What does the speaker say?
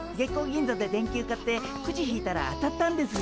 銀座で電球買ってクジ引いたら当たったんです。